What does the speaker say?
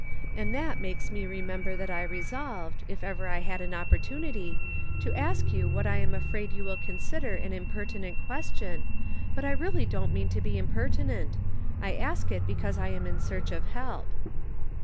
And that makes me remember that I resolved, if ever I had an opportunity, to ask you what I am afraid you will consider an impertinent question, but I really don't mean to be impertinent ; I ask it because I am in search of help."